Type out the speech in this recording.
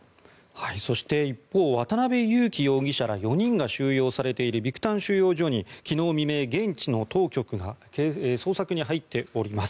そして、一方渡邉優樹容疑者ら４人が収容されているビクタン収容所に昨日未明、現地の当局が捜索に入っております。